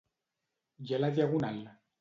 I a la Diagonal?